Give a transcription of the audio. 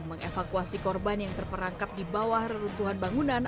mengevakuasi korban yang terperangkap di bawah reruntuhan bangunan